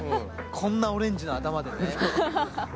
こんなオレンジの頭でね。